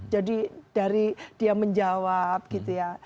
jadi dari dia menjawab gitu ya